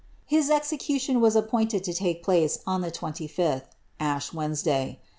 ^* His execution was appointed to take place on the I, Ash Wednesday.